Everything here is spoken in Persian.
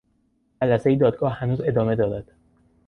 جلسهی دادگاه هنوز ادامه دارد.